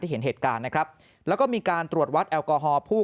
เห็นเหตุการณ์นะครับแล้วก็มีการตรวจวัดแอลกอฮอลผู้